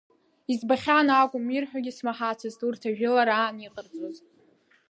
Избахьан акәым, ирҳәогьы смаҳацызт урҭ ажәылара аан иҟарҵоз.